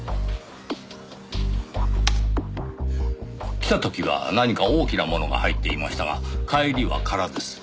来た時は何か大きなものが入っていましたが帰りは空です。